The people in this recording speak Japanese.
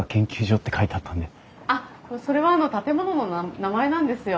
あっそれは建物の名前なんですよ。